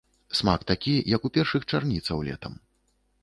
Смак такі, як у першых чарніцаў летам.